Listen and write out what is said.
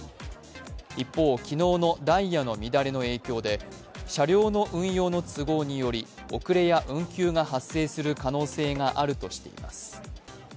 一方、昨日のダイヤの乱れの影響で車両の運用の都合により遅れや運休が発生する可能性があるとしています。